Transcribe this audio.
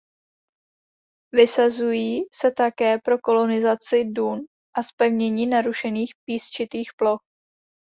Vysazují se také pro kolonizaci dun a zpevnění narušených písčitých ploch.